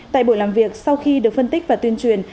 tại buổi làm việc sau khi được phân tích và tuyên truyền